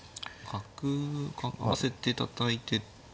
角合わせてたたいて同金。